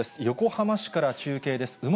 横浜市から中継です。